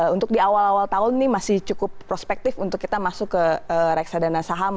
untuk di awal awal tahun ini masih cukup prospektif untuk kita masuk ke reksadana saham